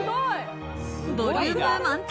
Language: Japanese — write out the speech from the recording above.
ボリューム満点。